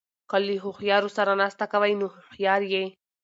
که له هوښیارو سره ناسته کوئ؛ نو هوښیار يې.